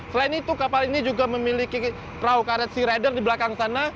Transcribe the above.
selain itu kapal ini juga memiliki perahu karet sea rider di belakang sana